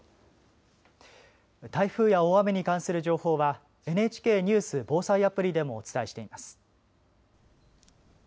台風や大雨に関する情報はＮＨＫニュース・防災アプリでもお伝えしています。